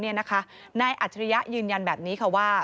นายอัธยายืนยันแบบนี้